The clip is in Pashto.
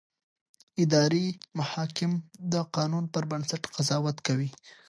اداري محاکم د قانون پر بنسټ قضاوت کوي.